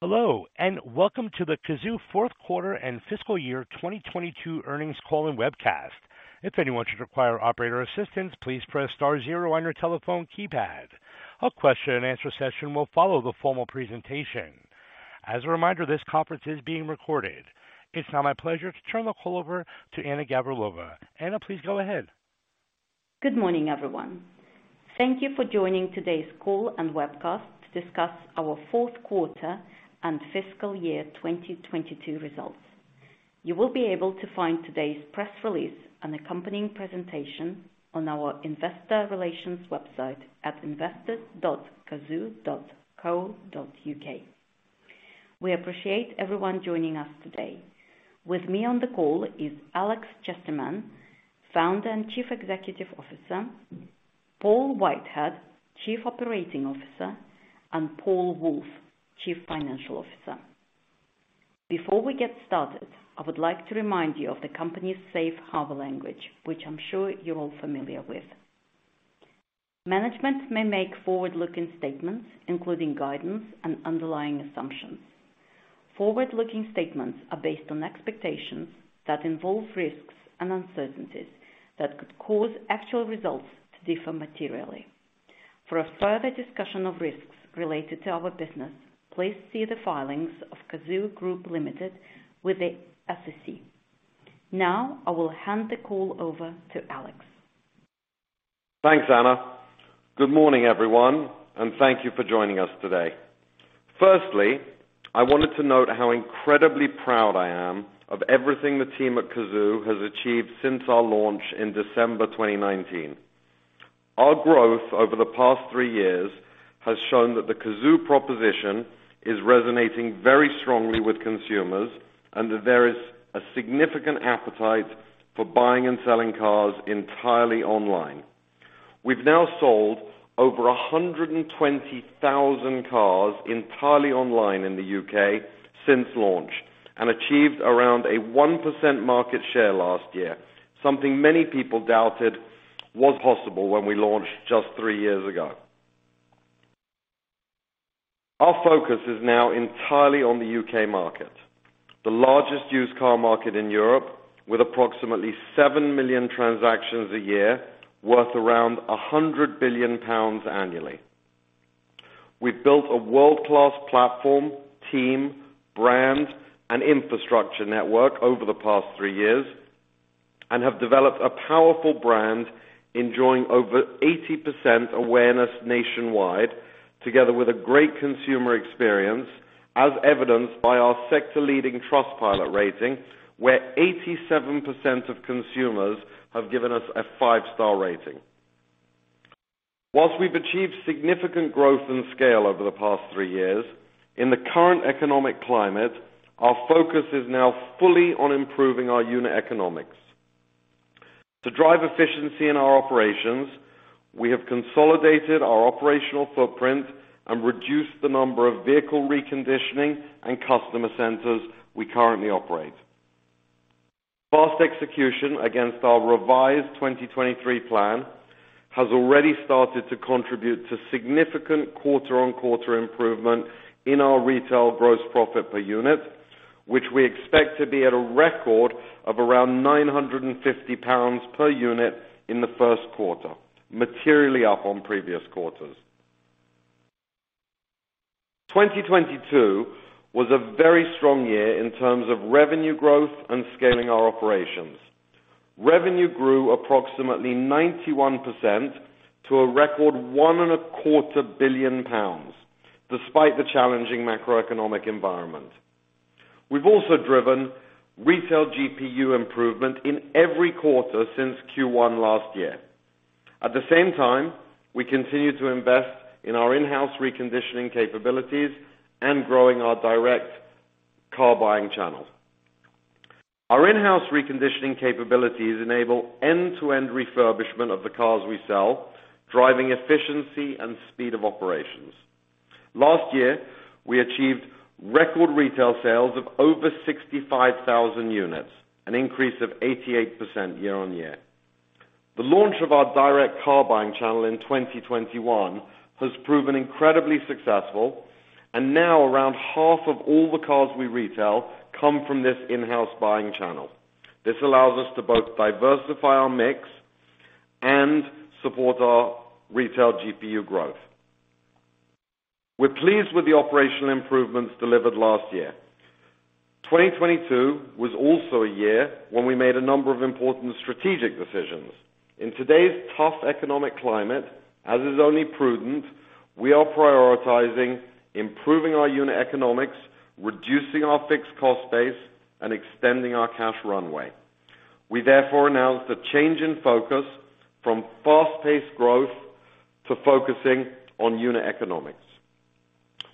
Hello, welcome to the Cazoo fourth quarter and fiscal year 2022 earnings call and webcast. If anyone should require operator assistance, please press star zero on your telephone keypad. A question and answer session will follow the formal presentation. As a reminder, this conference is being recorded. It's now my pleasure to turn the call over to Anna Gavrilova. Anna, please go ahead. Good morning, everyone. Thank you for joining today's call and webcast to discuss our fourth quarter and fiscal year 2022 results. You will be able to find today's press release and accompanying presentation on our investor relations website at investors.cazoo.co.uk. We appreciate everyone joining us today. With me on the call is Alex Chesterman, Founder and Chief Executive Officer, Paul Whitehead, Chief Operating Officer, Paul Woolf, Chief Financial Officer. Before we get started, I would like to remind you of the company's safe harbor language, which I'm sure you're all familiar with. Management may make forward-looking statements, including guidance and underlying assumptions. Forward-looking statements are based on expectations that involve risks and uncertainties that could cause actual results to differ materially. For a further discussion of risks related to our business, please see the filings of Cazoo Group Ltd with the SEC. Now I will hand the call over to Alex. Thanks, Anna. Good morning, everyone, and thank you for joining us today. Firstly, I wanted to note how incredibly proud I am of everything the team at Cazoo has achieved since our launch in December 2019. Our growth over the past three years has shown that the Cazoo proposition is resonating very strongly with consumers, and that there is a significant appetite for buying and selling cars entirely online. We've now sold over 120,000 cars entirely online in the U.K. since launch, and achieved around a 1% market share last year, something many people doubted was possible when we launched just three years ago. Our focus is now entirely on the U.K. market, the largest used car market in Europe, with approximately seven million transactions a year, worth around 100 billion pounds annually. We've built a world class platform, team, brand, and infrastructure network over the past three years, and have developed a powerful brand enjoying over 80% awareness nationwide, together with a great consumer experience, as evidenced by our sector-leading Trustpilot rating, where 87% of consumers have given us a five star rating. Whilst we've achieved significant growth and scale over the past three years, in the current economic climate, our focus is now fully on improving our unit economics. To drive efficiency in our operations, we have consolidated our operational footprint and reduced the number of vehicle reconditioning and customer centers we currently operate. Fast execution against our revised 2023 plan has already started to contribute to significant quarter-on-quarter improvement in our Retail GPU, which we expect to be at a record of around 950 pounds per unit in the first quarter materially up on previous quarters. 2022 was a very strong year in terms of revenue growth and scaling our operations. Revenue grew approximately 91% to a record one and a quarter billion pounds, despite the challenging macroeconomic environment. We've also driven Retail GPU improvement in every quarter since Q1 last year. At the same time, we continue to invest in our in-house reconditioning capabilities and growing our direct car buying channels. Our in-house reconditioning capabilities enable end to end refurbishment of the cars we sell, driving efficiency and speed of operations. Last year we achieved record retail sales of over 65,000 units, an increase of 88% year-over-year. The launch of our direct car buying channel in 2021 has proven incredibly successful, now around half of all the cars we retail come from this in-house buying channel. This allows us to both diversify our mix and support our Retail GPU growth. We're pleased with the operational improvements delivered last year. 2022 was also a year when we made a number of important strategic decisions. In today's tough economic climate as is only prudent, we are prioritizing improving our unit economics, reducing our fixed cost base and extending our cash runway. We therefore announced a change in focus from fast-paced growth to focusing on unit economics.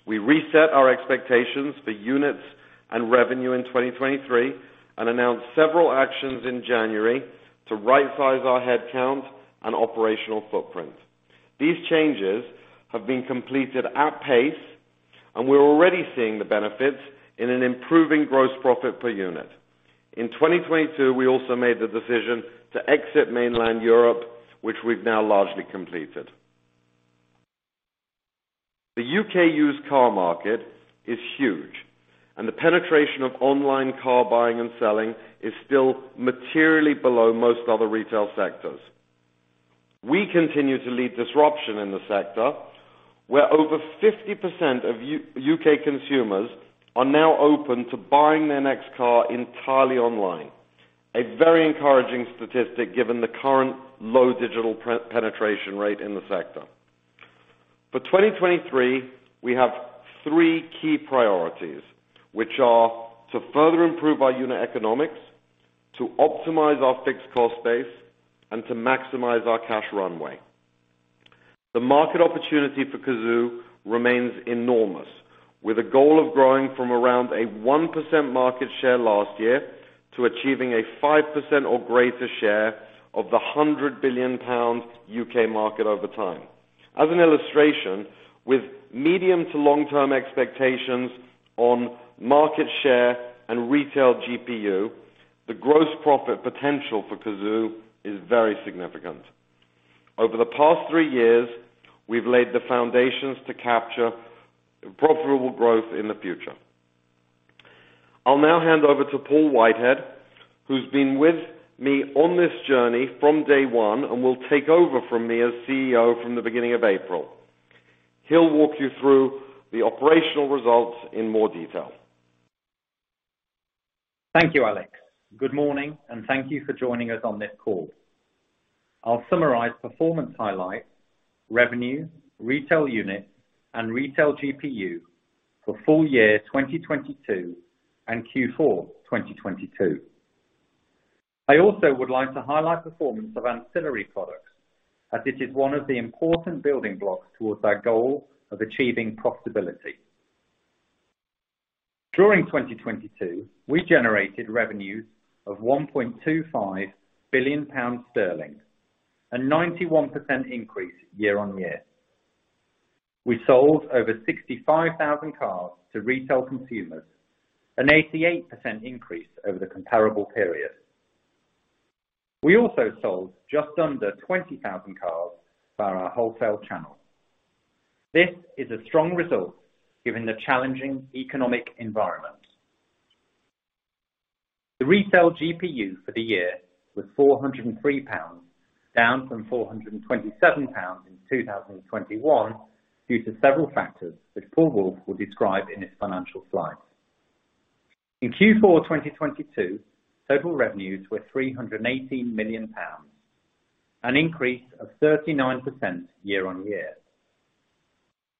We reset our expectations for units and revenue in 2023 and announced several actions in January to rightsize our headcount and operational footprint. These changes have been completed at pace. We're already seeing the benefits in an improving gross profit per unit. In 2022, we also made the decision to exit mainland Europe, which we've now largely completed. The U.K. used car market is huge. The penetration of online car buying and selling is still materially below most other retail sectors. We continue to lead disruption in the sector, where over 50% of U.K. consumers are now open to buying their next car entirely online. A very encouraging statistic given the current low digital penetration rate in the sector. For 2023, we have three key priorities which are to further improve our unit economics, to optimize our fixed cost base, and to maximize our cash runway. The market opportunity for Cazoo remains enormous, with a goal of growing from around a 1% market share last year to achieving a 5% or greater share of the 100 billion pound U.K. market over time. As an illustration, with medium to long-term expectations on market share and Retail GPU, the gross profit potential for Cazoo is very significant. Over the past three years, we've laid the foundations to capture profitable growth in the future. I'll now hand over to Paul Whitehead, who's been with me on this journey from day one and will take over from me as CEO from the beginning of April. He'll walk you through the operational results in more detail. Thank you Alex. Good morning, thank you for joining us on this call. I'll summarize performance highlights, revenue, retail units, and Retail GPU for full year 2022 and Q4 2022. I also would like to highlight performance of ancillary products as it is one of the important building blocks towards our goal of achieving profitability. During 2022, we generated revenues of 1.25 billion sterling, a 91% increase year-over-year. We sold over 65,000 cars to retail consumers, an 88% increase over the comparable period. We also sold just under 20,000 cars via our wholesale channel. This is a strong result given the challenging economic environment. The Retail GPU for the year was 403 pounds, down from 427 pounds in 2021 due to several factors that Paul will describe in his financial slides. In Q4 2022, total revenues were 318 million pounds, an increase of 39% year-on-year.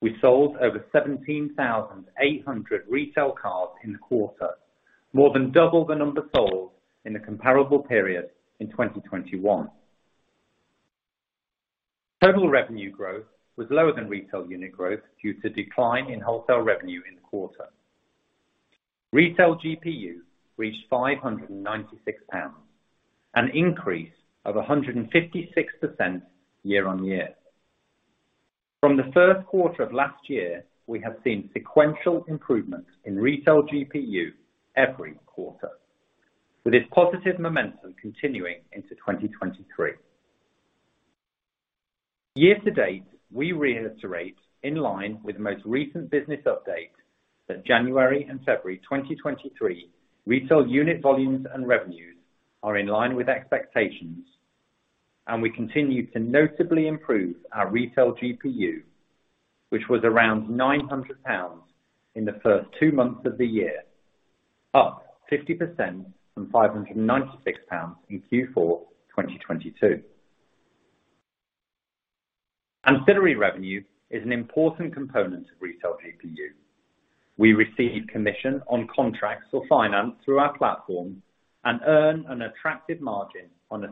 We sold over 17,800 retail cars in the quarter, more than double the number sold in the comparable period in 2021. Total revenue growth was lower than retail unit growth due to decline in wholesale revenue in the quarter. Retail GPU reached 596 pounds, an increase of 156% year-on-year. From the first quarter of last year, we have seen sequential improvements in Retail GPU every quarter. With this positive momentum continuing into 2023. Year to date, we reiterate in line with the most recent business update that January and February 2023 retail unit volumes and revenues are in line with expectations. We continue to notably improve our Retail GPU, which was around 900 pounds in the first two months of the year, up 50% from 596 pounds in Q4 2022. Ancillary revenue is an important component of Retail GPU. We receive commission on contracts for finance through our platform and earn an attractive margin on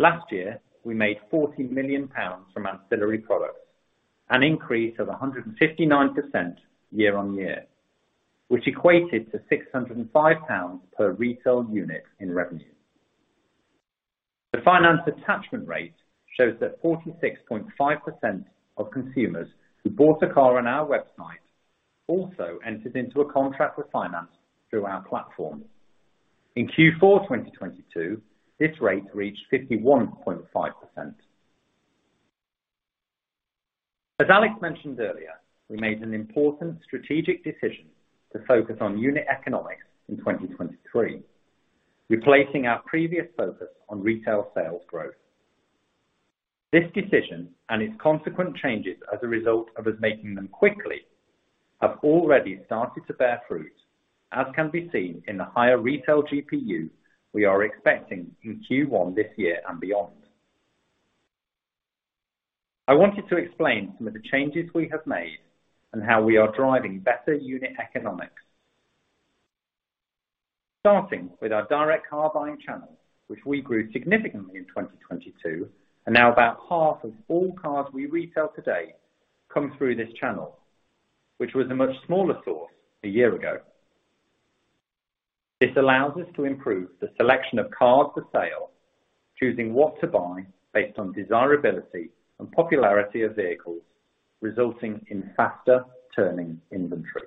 associated products. Last year, we made 40 million pounds from ancillary products an increase of 159% year-on-year, which equated to 605 pounds per retail unit in revenue. The finance attachment rate shows that 46.5% of consumers who bought a car on our website also entered into a contract with finance through our platform. In Q4 2022, this rate reached 51.5%. As Alex mentioned earlier, we made an important strategic decision to focus on unit economics in 2023, replacing our previous focus on retail sales growth. This decision and its consequent changes as a result of us making them quickly have already started to bear fruit, as can be seen in the higher Retail GPU we are expecting in Q1 this year and beyond. I wanted to explain some of the changes we have made and how we are driving better unit economics. Starting with our direct car buying channel, which we grew significantly in 2022 and now about half of all cars we retail today come through this channel, which was a much smaller source a year ago. This allows us to improve the selection of cars for saleChoosing what to buy based on desirability and popularity of vehicles, resulting in faster turning inventory.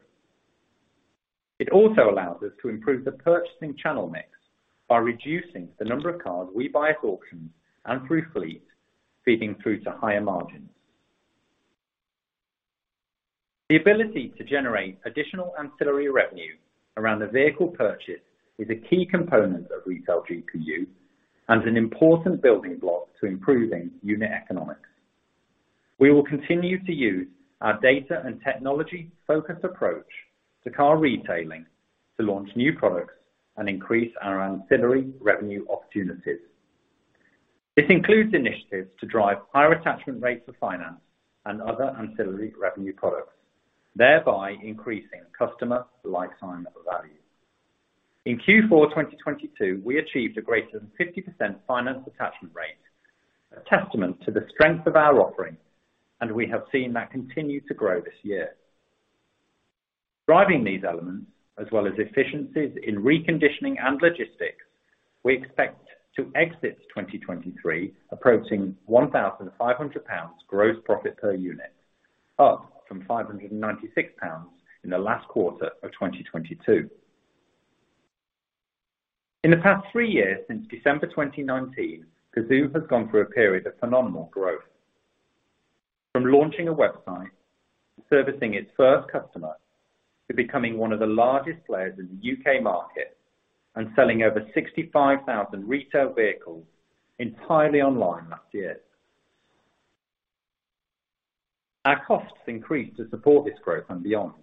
It also allows us to improve the purchasing channel mix by reducing the number of cars we buy at auctions and through fleet, feeding through to higher margins. The ability to generate additional ancillary revenue around the vehicle purchase is a key component of Retail GPU and an important building block to improving unit economics. We will continue to use our data and technology-focused approach to car retailing to launch new products and increase our ancillary revenue opportunities. This includes initiatives to drive higher attachment rates of finance and other ancillary revenue products, thereby increasing customer lifetime value. In Q4 2022, we achieved a greater than 50% finance attachment rate, a testament to the strength of our offering, and we have seen that continue to grow this year. Driving these elements as well as efficiencies in reconditioning and logistics, we expect to exit 2023 approaching GBP 1,500 gross profit per unit, up from GBP 596 in the last quarter of 2022. In the past three years since December 2019, Cazoo has gone through a period of phenomenal growth. From launching a website, servicing its first customer, to becoming one of the largest players in the U.K. market and selling over 65,000 retail vehicles entirely online last year. Our costs increased to support this growth and beyond.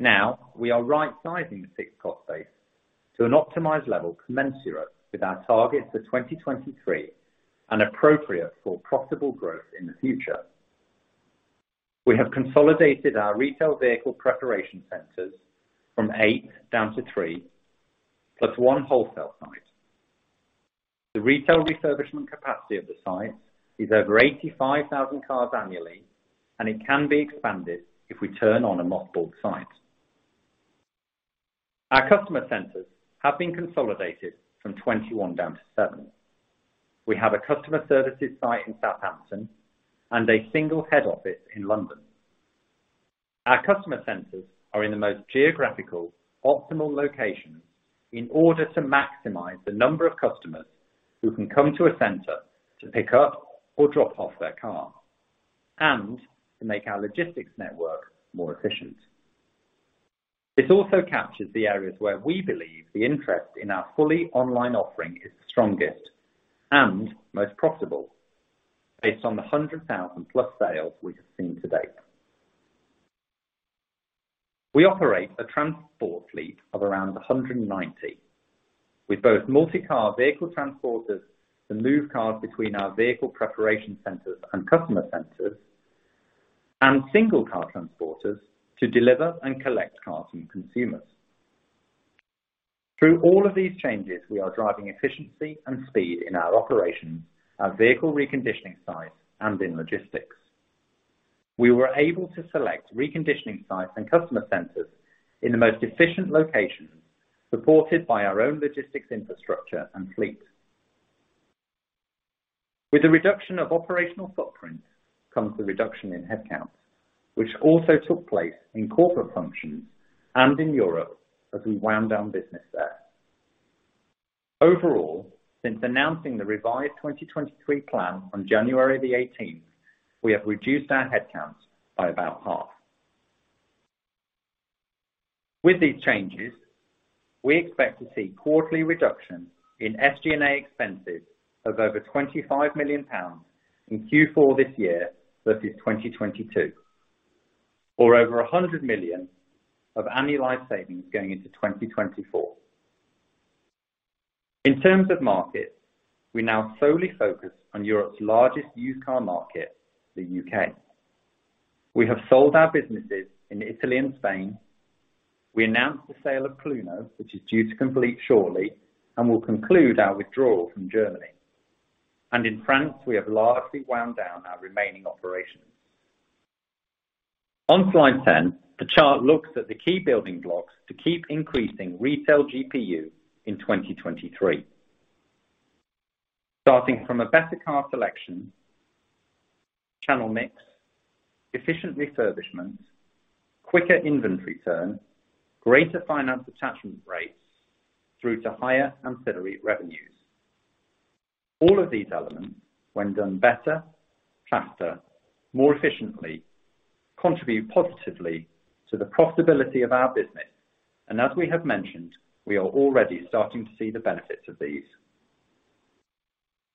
Now we are right sizing the fixed cost base to an optimized level commensurate with our target for 2023 and appropriate for profitable growth in the future. We have consolidated our retail vehicle preparation centers from eight down to three, plus one wholesale site. The retail refurbishment capacity of the site is over 85,000 cars annually, and it can be expanded if we turn on a mothballed site. Our customer centers have been consolidated from 21 down to seven. We have a customer services site in Southampton and a single head office in London. Our customer centers are in the most geographical optimal locations in order to maximize the number of customers who can come to a center to pick up or drop off their car and to make our logistics network more efficient. This also captures the areas where we believe the interest in our fully online offering is the strongest and most profitable based on the 100,000+ sales we have seen to date. We operate a transport fleet of around 190, with both multi-car vehicle transporters to move cars between our vehicle preparation centers and customer centers, and single car transporters to deliver and collect cars from consumers. Through all of these changes, we are driving efficiency and speed in our operations, our vehicle reconditioning sites, and in logistics. We were able to select reconditioning sites and customer centers in the most efficient locations, supported by our own logistics infrastructure and fleet, With the reduction of operational footprint comes the reduction in headcount, which also took place in corporate functions and in Europe as we wound down business there. Overall, since announcing the revised 2023 plan on January the 18th, we have reduced our headcounts by about half. With these changes, we expect to see quarterly reduction in SG&A expenses of over 25 million pounds in Q4 this year versus 2022, or over 100 million of annualized savings going into 2024. In terms of markets, we now solely focus on Europe's largest used car market, the U.K. We have sold our businesses in Italy and Spain. We announced the sale of Cluno, which is due to complete shortly, and will conclude our withdrawal from Germany. In France, we have largely wound down our remaining operations. On slide 10 the chart looks at the key building blocks to keep increasing Retail GPU in 2023. Starting from a better car selection, channel mix, efficient refurbishment, quicker inventory turn, greater finance attachment rates through to higher ancillary revenues. All of these elements when done better, faster, more efficiently, contribute positively to the profitability of our business. As we have mentioned, we are already starting to see the benefits of these.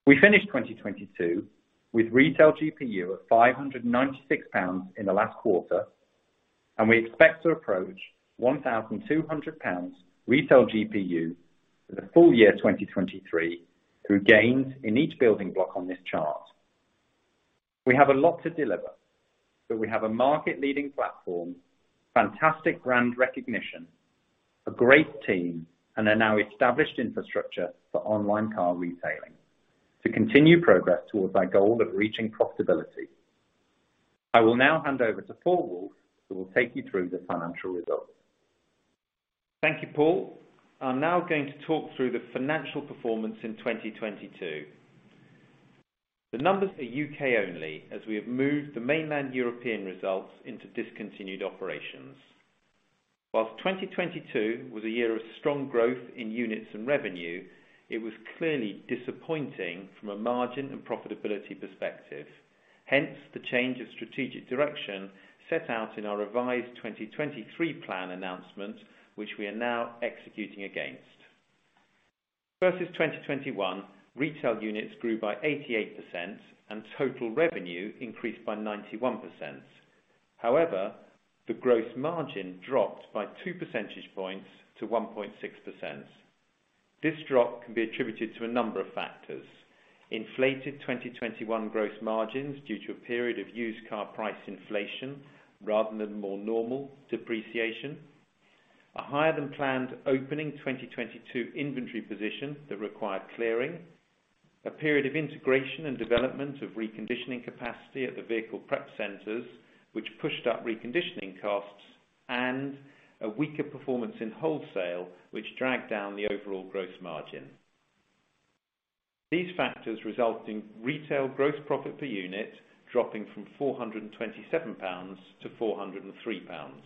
We finished 2022 with Retail GPU of 596 pounds in the last quarter, and we expect to approach 1,200 pounds Retail GPU for the full year 2023 through gains in each building block on this chart. We have a lot to deliver, but we have a market-leading platform, fantastic brand recognition, a great team, and a now established infrastructure for online car retailing to continue progress towards our goal of reaching profitability. I will now hand over to Paul Woolf, who will take you through the financial results. Thank you Paul. I'm now going to talk through the financial performance in 2022. The numbers are UK only as we have moved the mainland European results into discontinued operations. 2022 was a year of strong growth in units and revenue, it was clearly disappointing from a margin and profitability perspective, hence the change of strategic direction set out in our revised 2023 plan announcements, which we are now executing against. Versus 2021, retail units grew by 88% and total revenue increased by 91%. The gross margin dropped by 2 percentage points to 1.6%. This drop can be attributed to a number of factors. Inflated 2021 gross margins due to a period of used car price inflation rather than more normal depreciation. A higher than planned opening 2022 inventory position that required clearing. A period of integration and development of reconditioning capacity at the vehicle preparation centers, which pushed up reconditioning costs. A weaker performance in wholesale, which dragged down the overall gross margin. These factors result in retail gross profit per unit dropping from 427 pounds to 403 pounds.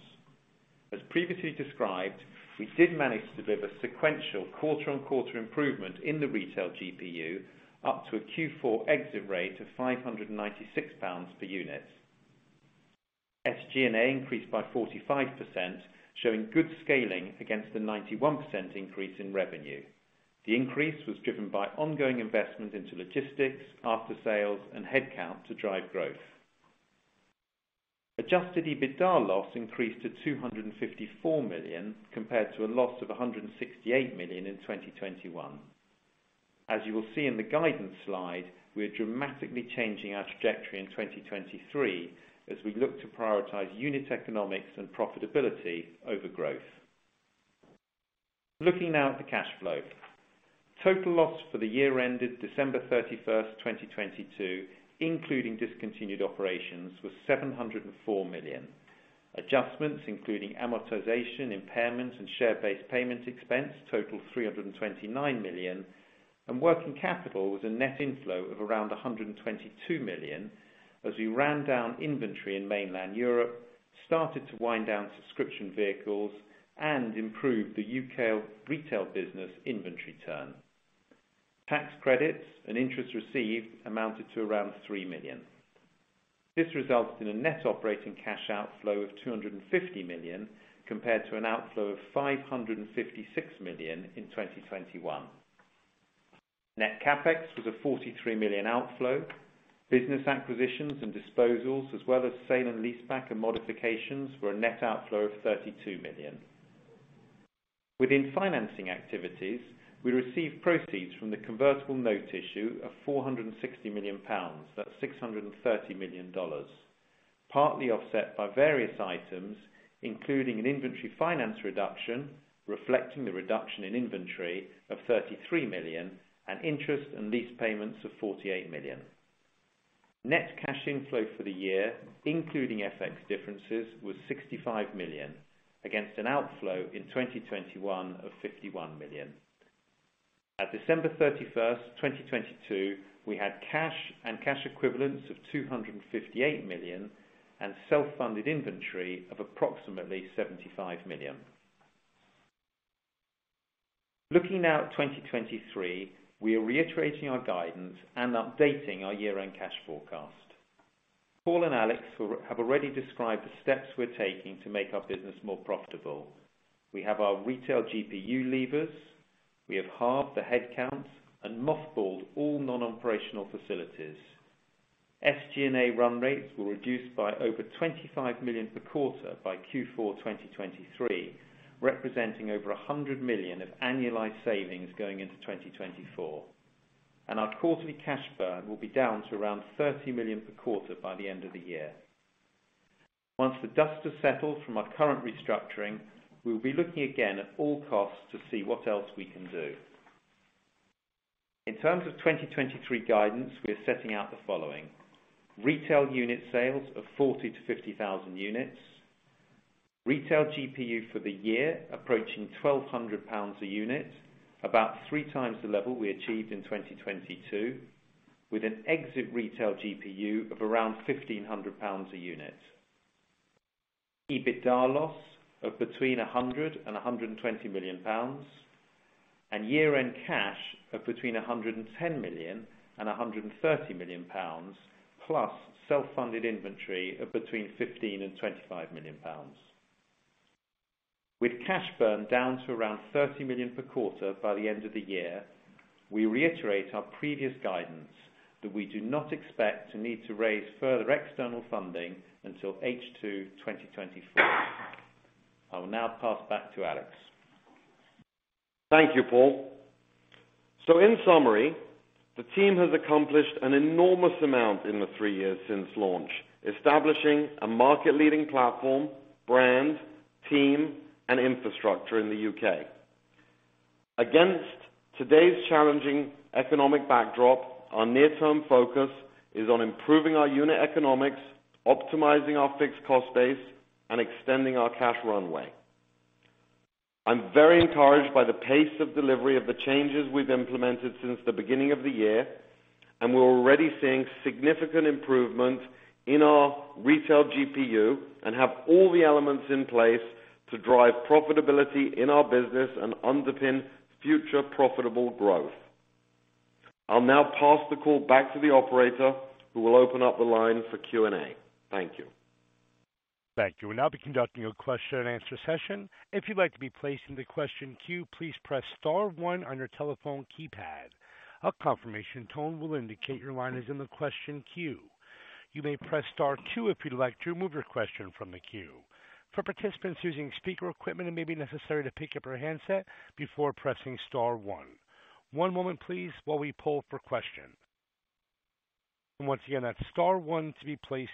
As previously described, we did manage to deliver sequential quarter-on-quarter improvement in the Retail GPU up to a Q4 exit rate of 596 pounds per unit. SG&A increased by 45%, showing good scaling against the 91% increase in revenue. The increase was driven by ongoing investment into logistics, after sales, and headcount to drive growth. Adjusted EBITDA loss increased to 254 million, compared to a loss of 168 million in 2021. As you will see in the guidance slide, we are dramatically changing our trajectory in 2023 as we look to prioritize unit economics and profitability over growth. Looking now at the cash flow. Total loss for the year ended December 31st, 2022, including discontinued operations was 704 million. Adjustments, including amortization, impairments, and share-based payment expense, total 329 million. Working capital was a net inflow of around 122 million as we ran down inventory in mainland Europe, started to wind down subscription vehicles, and improved the U.K. retail business inventory turn. Tax credits and interest received amounted to around 3 million. This resulted in a net operating cash outflow of 250 million compared to an outflow of 556 million in 2021. Net CapEx was a 43 million outflow. Business acquisitions and disposals, as well as sale and leaseback and modifications were a net outflow of 32 million. Within financing activities, we received proceeds from the convertible note issue of 460 million pounds. That's $630 million. Partly offset by various items, including an inventory finance reduction, reflecting the reduction in inventory of 33 million, and interest and lease payments of 48 million. Net cash inflow for the year, including FX differences, was 65 million against an outflow in 2021 of 51 million. At December 31st, 2022, we had cash and cash equivalents of 258 million and self funded inventory of approximately 75 million. Looking now at 2023, we are reiterating our guidance and updating our year-end cash forecast. Paul and Alex have already described the steps we're taking to make our business more profitable. We have our Retail GPU levers. We have halved the headcounts and mothballed all non-operational facilities. SG&A run rates were reduced by over 25 million per quarter by Q4 2023, representing over 100 million of annualized savings going into 2024. Our quarterly cash burn will be down to around 30 million per quarter by the end of the year. Once the dust has settled from our current restructuring, we will be looking again at all costs to see what else we can do. In terms of 2023 guidance, we are setting out the following. Retail unit sales of 40,000-50,000 units. Retail GPU for the year approaching 1,200 pounds a unit about three times the level we achieved in 2022, with an exit Retail GPU of around 1,500 pounds a unit. EBITDA loss of between 100 million and 120 million pounds, year-end cash of between 110 million and 130 million pounds, plus self-funded inventory of between 15 million and 25 million pounds. With cash burn down to around 30 million per quarter by the end of the year, we reiterate our previous guidance that we do not expect to need to raise further external funding until H2 2024. I will now pass back to Alex. Thank you Paul. In summary, the team has accomplished an enormous amount in the three years since launch, establishing a market-leading platform, brand, team, and infrastructure in the U.K. Against today's challenging economic backdrop, our near term focus is on improving our unit economics, optimizing our fixed cost base, and extending our cash runway. I'm very encouraged by the pace of delivery of the changes we've implemented since the beginning of the year. We're already seeing significant improvement in our Retail GPU and have all the elements in place to drive profitability in our business and underpin future profitable growth. I'll now pass the call back to the operator, who will open up the line for Q&A. Thank you. Thank you. We'll now be conducting a question-and-answer session. If you'd like to be placed in the question queue, please press star one on your telephone keypad. A confirmation tone will indicate your line is in the question queue. You may press star two if you'd like to remove your question from the queue. For participants using speaker equipment, it may be necessary to pick up your handset before pressing star one. One moment please while we poll for question. Once again, that's star one to be placed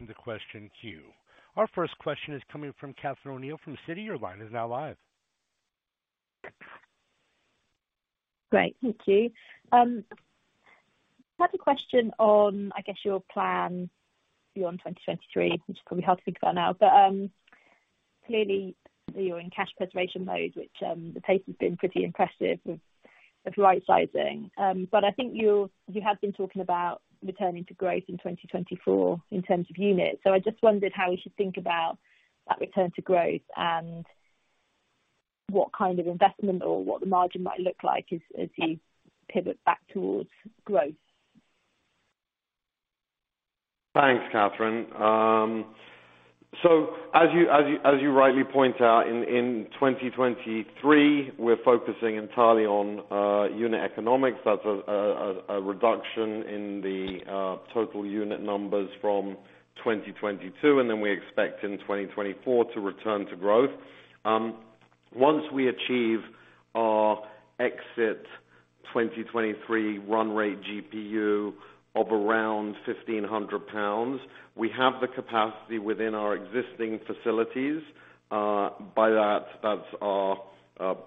into question queue. Our first question is coming from Catherine O'Neill from Citi. Your line is now live. Great thank you. Had a question on I guess your plan beyond 2023, which is probably hard to think about now. Clearly, you're in cash preservation mode, which the pace has been pretty impressive with rightsizing. I think you have been talking about returning to growth in 2024 in terms of units. I just wondered how we should think about that return to growth and what kind of investment or what the margin might look like as you pivot back towards growth. Thanks, Catherine. As you rightly point out in 2023, we're focusing entirely on unit economics. That's a reduction in the total unit numbers from 2022, and then we expect in 2024 to return to growth. Once we achieve our exit 2023 run rate GPU of around 1,500 pounds, we have the capacity within our existing facilities, by that's our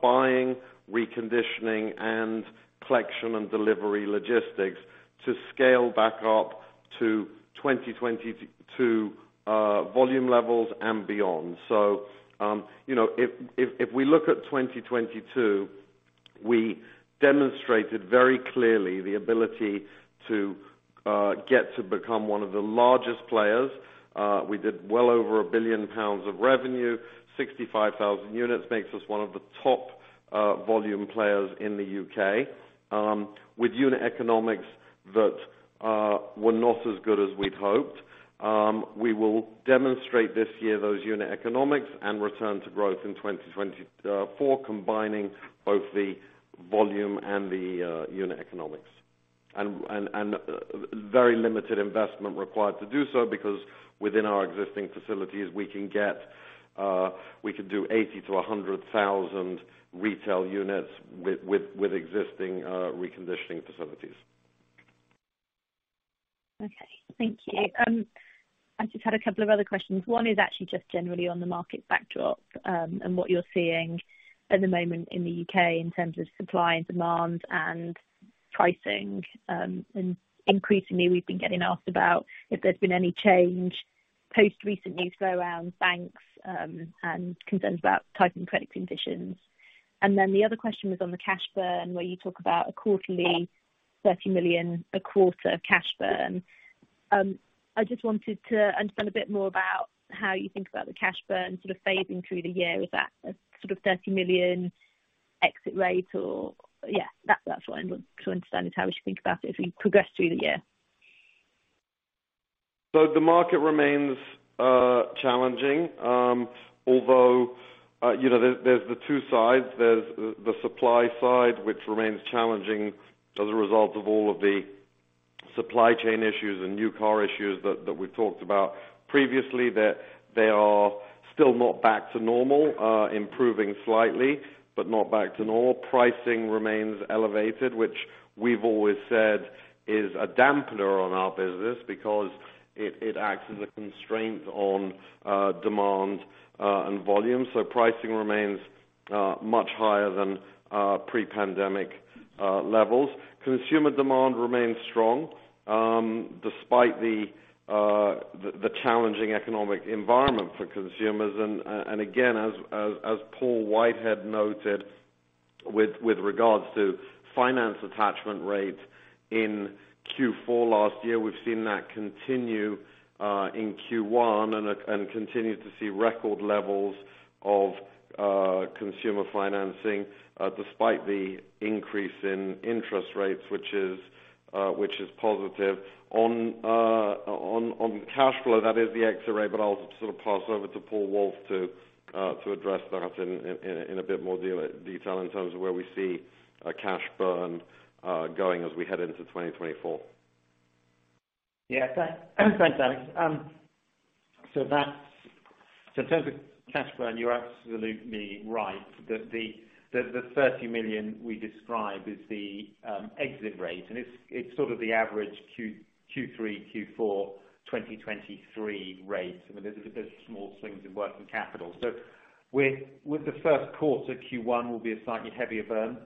buying, reconditioning, and collection and delivery logistics to scale back up to 2022 volume levels and beyond. You know, if we look at 2022, we demonstrated very clearly the ability to get to become one of the largest players. We did well over 1 billion pounds of revenue. 65,000 units makes us one of the top volume players in the U.K. with unit economics that were not as good as we'd hoped. We will demonstrate this year those unit economics and return to growth in 2024, combining both the volume and the unit economics. Very limited investment required to do so because within our existing facilities, we can get, we can do 80,000-100,000 retail units with existing reconditioning facilities. Okay. Thank you. I just had a couple of other questions. One is actually just generally on the market backdrop, and what you're seeing at the moment in the U.K. in terms of supply and demand and pricing. Increasingly we've been getting asked about if there's been any change post recent news around banks, and concerns about tightening credit conditions. The other question was on the cash burn, where you talk about a quarterly 30 million a quarter cash burn. I just wanted to understand a bit more about how you think about the cash burn sort of phasing through the year. Is that a sort of 30 million exit rate or that's what I want to understand is how we should think about it as we progress through the year. The market remains challenging, although, you know, there's the two sides. There's the supply side, which remains challenging as a result of all of the supply chain issues and new car issues that we've talked about previously. They are still not back to normal, improving slightly, but not back to normal. Pricing remains elevated, which we've always said is a dampener on our business because it acts as a constraint on demand and volume. Pricing remains much higher than pre-pandemic levels. Consumer demand remains strong, despite the challenging economic environment for consumers. Again, as Paul Whitehead noted with regards to finance attachment rate in Q4 last year, we've seen that continue in Q1 and continue to see record levels of consumer financing despite the increase in interest rates which is positive. On cash flow that is the X-ray, I'll sort of pass over to Paul Woolf to address that in a bit more detail in terms of where we see cash burn going as we head into 2024. Yeah, Thanks Alex. So that's in terms of cash burn, you're absolutely right that the 30 million we describe is the exit rate, and it's sort of the average Q3, Q4 2023 rates. I mean, there's small swings in working capital. With the first quarter, Q1 will be a slightly heavier burn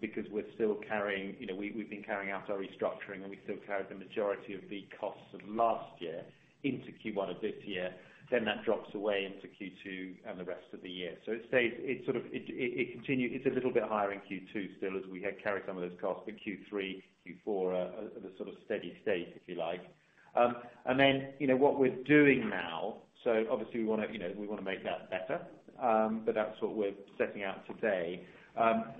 because we're still carrying You know, we've been carrying out our restructuring, and we still carry the majority of the costs of last year into Q1 of this year. That drops away into Q2 and the rest of the year. It stays It sort of, it continues. It's a little bit higher in Q2 still as we carry some of those costs, but Q3, Q4 are the sort of steady state, if you like. You know what we're doing now, so obviously we wanna, you know we wanna make that better, that's what we're setting out today.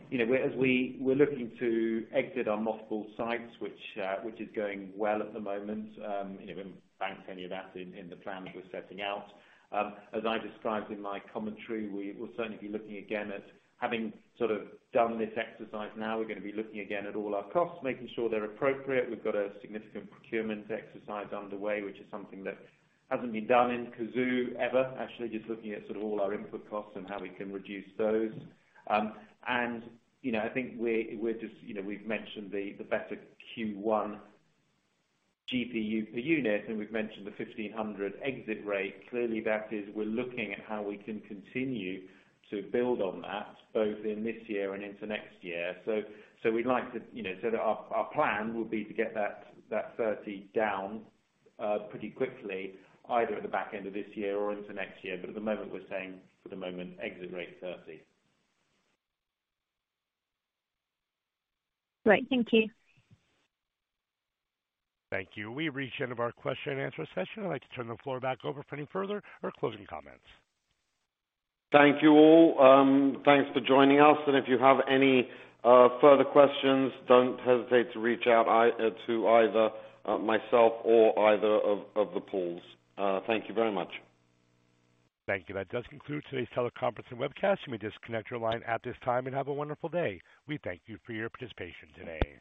You know as we're looking to exit our multiple sites, which is going well at the moment. You know banks any of that in the plans we're setting out. As I described in my commentary, we will certainly be looking again at having sort of done this exercise now, we're gonna be looking again at all our costs, making sure they're appropriate. We've got a significant procurement exercise underway, which is something that hasn't been done in Cazoo ever, actually. Just looking at sort of all our input costs and how we can reduce those. You know, I think we're just You kno we've mentioned the better Q1 GPU per unit, and we've mentioned the 1,500 exit rate. Clearly, that is, we're looking at how we can continue to build on that both in this year and into next year. we'd like to you know, so that our plan will be to get that 30 down pretty quickly, either at the back end of this year or into next year. at the moment, we're saying for the moment, exit rate 30. Great. Thank you. Thank you. We've reached the end of our question and answer session. I'd like to turn the floor back over for any further or closing comments. Thank you all. Thanks for joining us, and if you have any further questions, don't hesitate to reach out to either myself or either of the Pauls. Thank you very much. Thank you. That does conclude today's teleconference and webcast. You may disconnect your line at this time and have a wonderful day. We thank you for your participation today.